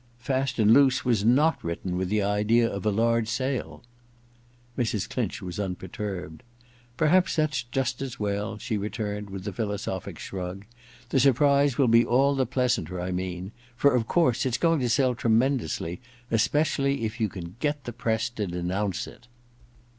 *"Fast and Loose" was not written with the idea of a large sale.' Mrs. Clinch was unperturbed. * Perhaps I EXPIATION 85 that's just as well/ she returned with a philo sophic shrug. *The surprise will be all the pleasanter, I mean. For of course it*s going to sell tremendously ; especially if you can get the press to denounce it.